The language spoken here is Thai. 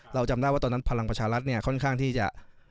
จำได้ว่าตอนนั้นพลังประชารัฐเนี่ยค่อนข้างที่จะ